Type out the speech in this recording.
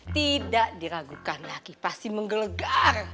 tidak diragukan lagi pasti menggelegar